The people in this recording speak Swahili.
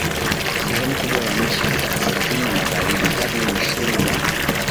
sehemu kubwa ya nchi hasa kaskazini na magharibi hadi mwishoni mwa